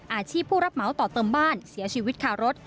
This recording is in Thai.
อาชีพผู้รับเหมาต่อเติมบ้านเสียชีวิตคารถ